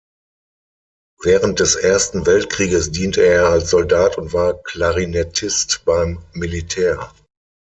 Während des Ersten Weltkrieges diente er als Soldat und war Klarinettist beim Militär.